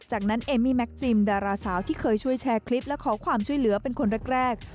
จากนั้นเอมี่แม็กซิมดาราสาวที่เคยช่วยแชร์คลิปและขอความช่วยเหลือเป็นคนแรก